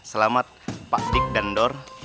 selamat pak tik dan dor